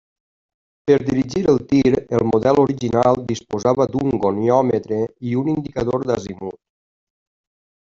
Per dirigir el tir, el model original disposava d'un goniòmetre i un indicador d'azimut.